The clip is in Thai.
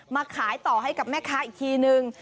มาขายต่อให้กับแม่ค้าอีกทีนึง